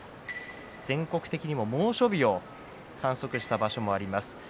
全国的にも猛暑日を観測した場所もあります。